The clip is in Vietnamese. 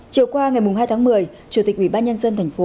chiều qua ngày hai tháng một mươi chủ tịch ubnd tp